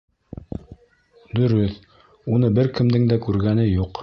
Дөрөҫ, уны бер кемдең дә күргәне юҡ.